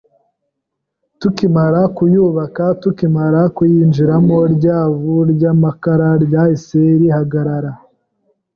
tukimara kuyubaka, tukimara kuyinjiramo rya vu ry’amakara ryahise rihagarara